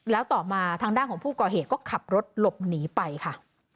แล้วต่อมาทางด้านของผู้ก่อเหตุก็ขับรถหลบหนีไปค่ะ